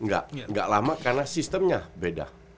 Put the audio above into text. gak gak lama karena sistemnya beda